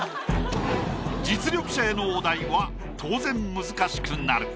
実力者へのお題は当然難しくなる。